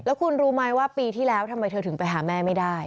คุณรู้ไหมว่าปีที่แล้วทำไมเธอถึงไปหาแม่ไม่ได้